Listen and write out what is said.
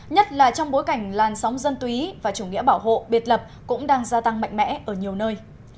nhất là trong bối cảnh làn sóng dân túy và chủ nghĩa bảo hộ biệt lập cũng đang gia tăng mạnh mẽ ở nhiều nơi